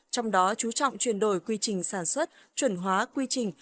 trong đó chú trọng chuyển đổi quy trình sản xuất chuẩn hóa quy trình